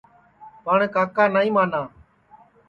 پٹؔ کاکا نائی مانا